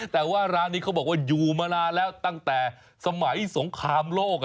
แต่ว่าร้านนี้เขาบอกว่าอยู่มานานแล้วตั้งแต่สมัยสงครามโลก